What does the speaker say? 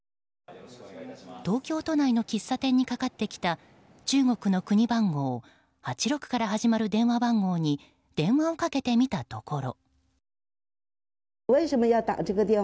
東京都内の喫茶店にかかってきた中国の国番号、８６から始まる電話番号に電話をかけてみたところ。